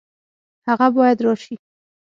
هغه باید راشي